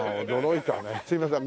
すいません。